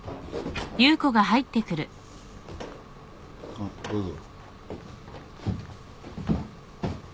あっどうぞ。